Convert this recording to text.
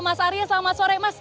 mas arya selamat sore mas